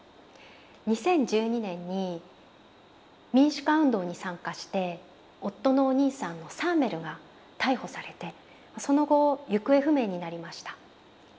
２０１２年に民主化運動に参加して夫のお兄さんのサーメルが逮捕されてその後行方不明になりました。